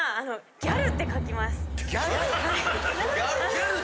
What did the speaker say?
・ギャル？